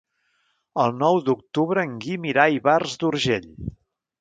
El nou d'octubre en Guim irà a Ivars d'Urgell.